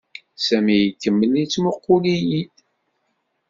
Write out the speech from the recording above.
Sami ikemmel yettmuqqul-iyi-d.